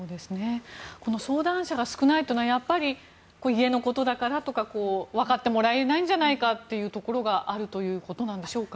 相談者が少ないというのは家のことだからとかわかってもらえないんじゃないかというところがあるということでしょうか？